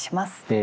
え